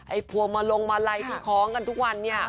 ไอ้ผัวมาลงมาไล่ของกันทุกวันเนี่ย